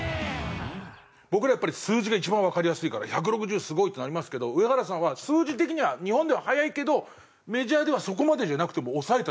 僕らやっぱり数字が一番わかりやすいから１６０すごい！ってなりますけど上原さんは数字的には日本では速いけどメジャーではそこまでじゃなくても抑えた。